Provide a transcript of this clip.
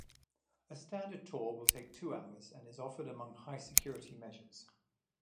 A standard tour will take two hours and is offered among high security measures.